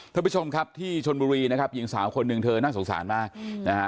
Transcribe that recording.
ทุกผู้ชมครับที่ชนบุรีนะครับยิ่ง๓คนนึงเธอน่ะสงสารมากนะครับ